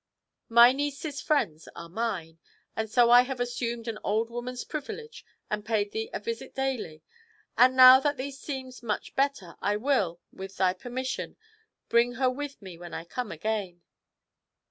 My niece's friends are mine, and so I have assumed an old woman's privilege and paid thee a visit daily, and now that thee seems much better I will, with thy permission, bring her with me when I come again."'